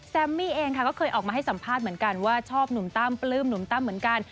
มมี่เองค่ะก็เคยออกมาให้สัมภาษณ์เหมือนกันว่าชอบหนุ่มตั้มปลื้มหนุ่มตั้มเหมือนกัน